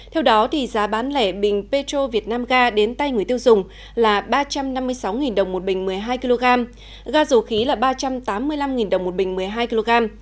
theo đó giá bán lẻ bình petro việt nam ga đến tay người tiêu dùng là ba trăm năm mươi sáu đồng một bình một mươi hai kg ga dầu khí là ba trăm tám mươi năm đồng một bình một mươi hai kg